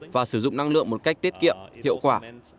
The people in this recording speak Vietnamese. và sử dụng năng lượng một cách tiết kiệm hiệu quả